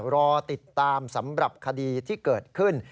รอติดตามสำหรับคดีที่เกิดขึ้น